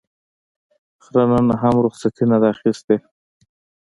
خره نن هم رخصتي نه ده اخیستې.